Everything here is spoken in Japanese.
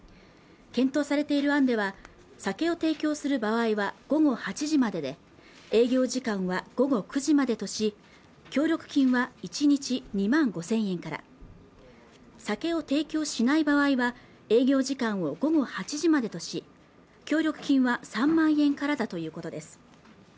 検討されている案では酒を提供する場合は午後８時までで営業時間は午後９時までとし協力金は１日２万５０００円から酒を提供しない場合は営業時間を午後８時までとし協力金は３万円からだということです